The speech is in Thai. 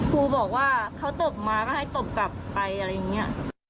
ครูบอกว่าเขาตบมาก็ให้ตบกลับไปอะไรอย่างนี้